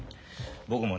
僕もね